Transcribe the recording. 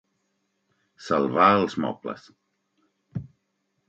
Salvar els mobles.